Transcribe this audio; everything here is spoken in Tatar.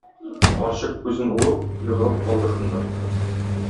Карчык күзен уып, егылып калды шунда.